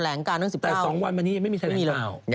แถลงการตั้ง๑๙แต่๒วันมานี้ไม่มีแถลงข่าว